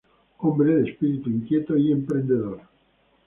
Hombre de espíritu inquieto y emprendedor.